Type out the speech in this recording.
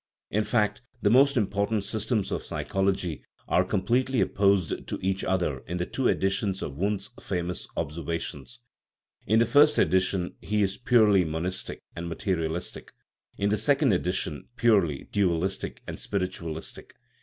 In fact, the most impor tant systems of psychology are completely opposed to each other in the two editions of Wundt's famous Ob servations. In the first edition he is purely monistic and materialistic, in the second edition purely dualistic and spiritualistic.